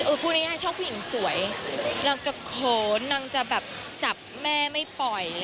พูดง่ายชอบผู้หญิงสวยนางจะเขินนางจะแบบจับแม่ไม่ปล่อย